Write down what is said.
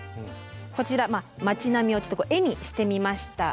こちら町並みを絵にしてみました。